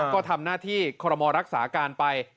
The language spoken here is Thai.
ก็ทำหน้าที่คอรมอรักษาการไป